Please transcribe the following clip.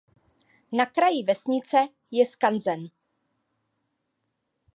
Na kraji vesnice je skanzen.